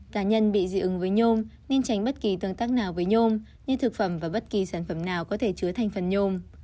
cá nhân bị dị ứng với nhôm nên tránh bất kỳ tương tác nào với nhôm nhưng thực phẩm và bất kỳ sản phẩm nào có thể chứa thành phần nhôm